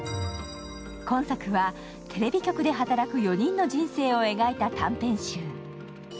今作はテレビ局で働く４人の人生を描いた短編集。